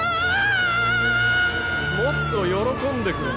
もっと喜んでくれ。